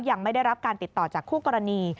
ยังไม่ได้รับการติดต่อจากคู่กรณี